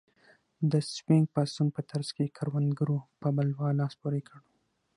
د سوینګ پاڅون په ترڅ کې کروندګرو په بلوا لاس پورې کړ.